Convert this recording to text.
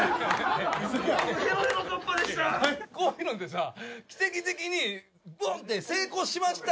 こういうのんってさ奇跡的にボンって成功しました